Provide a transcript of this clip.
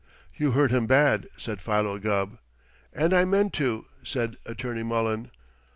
"You hurt him bad," said Philo Gubb. "And I meant to!" said Attorney Mullen.